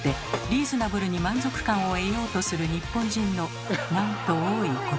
リーズナブルに満足感を得ようとする日本人のなんと多いことか。